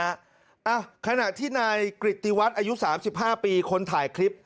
อ่ะขณะที่นายกริติวัฒน์อายุ๓๕ปีคนถ่ายคลิป